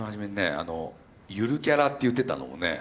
あのゆるキャラって言ってたのもね